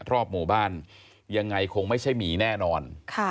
รอบหมู่บ้านยังไงคงไม่ใช่หมีแน่นอน